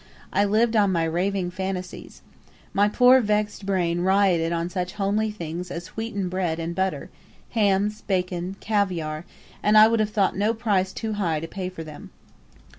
I lived on my raving fancies. My poor vexed brain rioted on such homely things as wheaten bread and butter, hams, bacon, caviare, and I would have thought no price too high to pay for them.